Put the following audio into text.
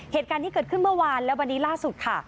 เหตุการณ์นี้เกิดขึ้นเมื่อวานและวันนี้ล่าสุดค่ะ